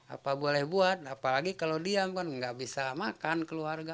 apa boleh buat apalagi kalau diam kan nggak bisa makan keluarga